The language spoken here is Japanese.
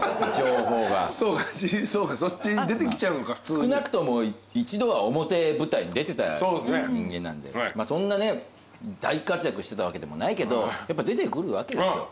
少なくとも一度は表舞台に出てた人間なんでそんなね大活躍してたわけでもないけどやっぱ出てくるわけですよ。